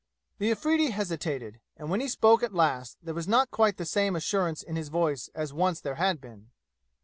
The Afridi hesitated, and when he spoke at last there was not quite the same assurance in his voice as once there had been.